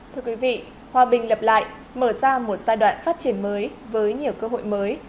thưa quý vị hòa bình lập lại mở ra một giai đoạn phát triển mới với nhiều cơ hội mới